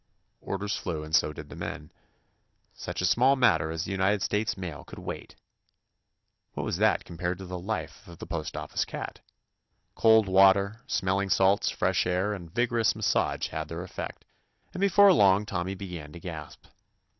Orders flew and so did the men. 174 TOMMY POSTOFFICE Such a small matter as the United States mail could wait I What was that compared to the life of the post office cat"? Cold water, smelling salts, fresh air, and vigorous massage had their effect, and before long Tommy began to gasp.